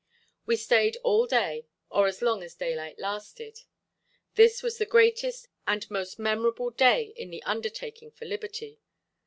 We stayed all day—or as long as daylight lasted. This was the greatest and most memorable day in this undertaking for liberty.